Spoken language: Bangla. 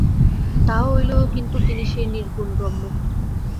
তাহা হইলেও কিন্তু তিনি সেই নির্গুণ ব্রহ্ম।